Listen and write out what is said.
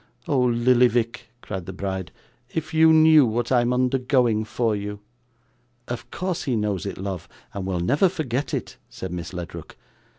'Oh Lillyvick!' cried the bride. 'If you knew what I am undergoing for you!' 'Of course he knows it, love, and will never forget it,' said Miss Ledrook.